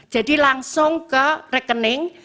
jadi langsung ke rekening